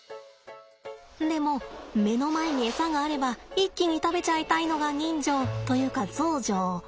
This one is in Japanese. でも目の前にエサがあれば一気に食べちゃいたいのが人情というかゾウ情。